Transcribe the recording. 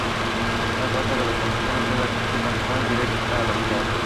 Las tasa son contribuciones en las que existe una contraprestación directa para el obligado.